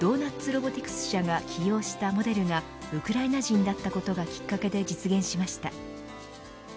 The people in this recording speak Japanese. ロボティクス社が起用したモデルがウクライナ人だったことがきっかけで実現しました。